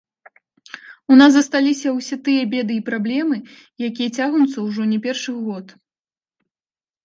У нас засталіся ўсе тыя беды і праблемы, якія цягнуцца ўжо не першы год.